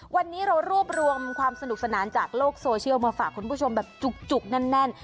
วันนี้เรารวบรวมความสนุกสนานจากโลกโซเชียลมาฝากคุณผู้ชมแบบจุกแน่น